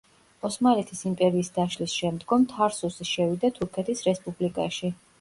ოსმალეთის იმპერიის დაშლის შემდგომ, თარსუსი შევიდა თურქეთის რესპუბლიკაში.